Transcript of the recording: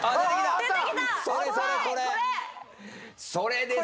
それですよ。